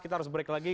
kita harus break lagi